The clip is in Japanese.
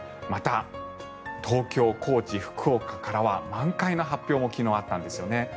また東京、高知、福岡からは満開の発表も昨日あったんですね。